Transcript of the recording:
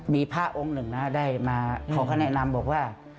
มีพ่อองค์หนึ่งได้มาเขาเขาแนะนำบอกว่า